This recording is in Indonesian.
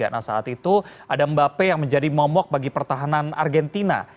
nah saat itu ada mbappe yang menjadi momok bagi pertahanan argentina